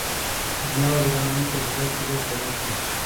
زما او د رحماني صیب زړه کیده چې راشو.